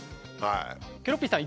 ケロッピーさん